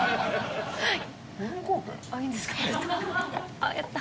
ああやった！